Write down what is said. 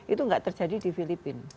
itu tidak terjadi di filipina